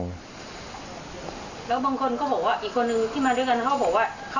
แล้วบางคนก็บอกว่าอีกคนนึงที่มาด้วยกันเขาบอกว่า